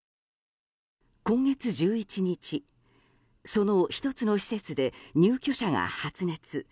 今月１１日、その１つの施設で入居者が発熱。